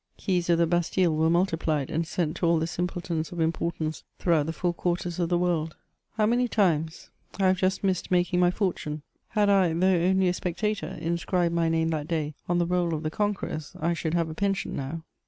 Keys of the Bastille were multi plied, and sent to all the simpletons of importance throughout the four quarters of the world. How many times I have just missed CHATEAUBRIAND. 209 making my fortune ! Had I, though only a Spectator, inscribed my name that day on the roll of the conquerors, I should have a pension now.